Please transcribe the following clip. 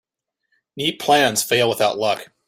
Neat plans fail without luck.